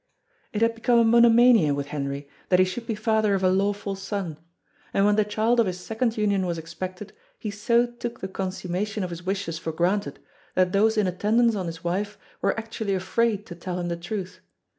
It had become a monomania with Henry that he should be father of a lawful son; and when the child of his second union was expected, he so took the consummation of his wishes for granted that those in attendance on his wife were actually afraid to tell him the truth.